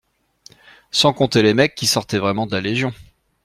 Sans compter les mecs qui sortaient vraiment de la légion.